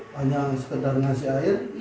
hanya sekedar nasi air